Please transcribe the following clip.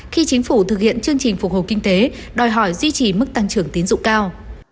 khi chính phủ thực hiện chương trình phục hồi kinh tế đòi hỏi duy trì mức tăng trưởng tín dụng cao